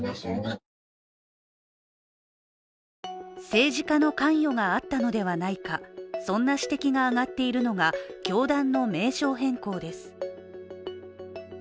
政治家の関与があったのではないか、そんな指摘が上がっているのが教団の名称変更です。